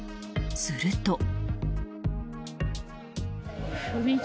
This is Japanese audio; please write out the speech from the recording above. すると。